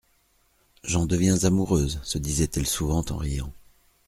«J'en deviens amoureuse», se disait-elle souvent en riant.